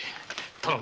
頼む。